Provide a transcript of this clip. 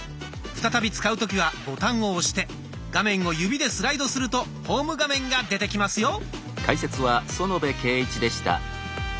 再び使う時はボタンを押して画面を指でスライドするとホーム画面が出てきますよ。